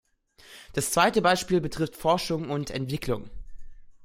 Das zweite Beispiel betrifft Forschung und Entwicklung.